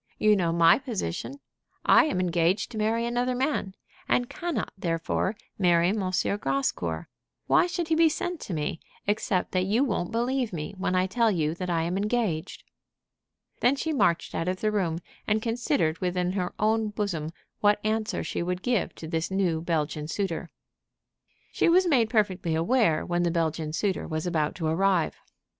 You know my position. I am engaged to marry another man, and cannot therefore marry M. Grascour. Why should he be sent to me, except that you won't believe me when I tell you that I am engaged?" Then she marched out of the room, and considered within her own bosom what answer she would give to this new Belgian suitor. She was made perfectly aware when the Belgian suitor was about to arrive.